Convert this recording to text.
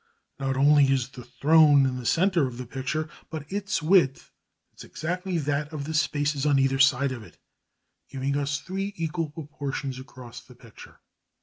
Not only is the throne in the centre of the picture, but its width is exactly that of the spaces on either side of it, giving us three equal proportions across the picture.